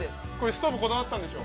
ストーブこだわったんでしょ？